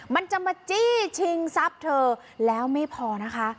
มันจะมาจี้ชิงทรัพย์เธอแล้วไม่พอนะคะ